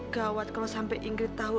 gawat kalau sampai inggris tahu